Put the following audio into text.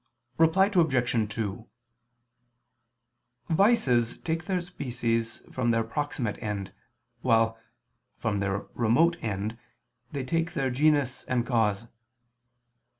Reply Obj. 2: Vices take their species from their proximate end, while, from their remote end, they take their genus and cause.